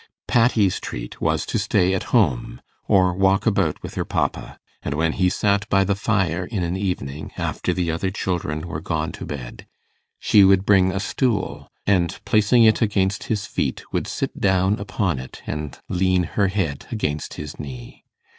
Patty's treat was to stay at home, or walk about with her papa; and when he sat by the fire in an evening, after the other children were gone to bed, she would bring a stool, and, placing it against his feet, would sit down upon it and lean her head against his knee.